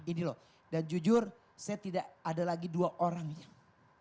ini loh dan jujur saya tidak ada lagi dua orang yang